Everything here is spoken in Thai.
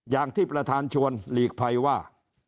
อย่างที่ประธานชวนหลีกภัยว่า